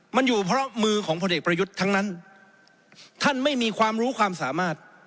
มันอยู่เพราะมือของพลเอกประยุทธ์ทั้งนั้นท่านไม่มีความรู้ความสามารถ